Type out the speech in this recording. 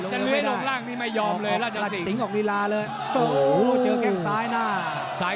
จะแล้วลงร่างไม่ได้